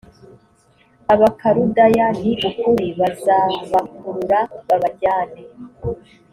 abakaludaya ni ukuri bazabakurura babajyane